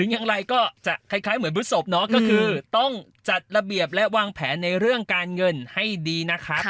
อย่างไรก็จะคล้ายเหมือนพฤศพเนาะก็คือต้องจัดระเบียบและวางแผนในเรื่องการเงินให้ดีนะครับ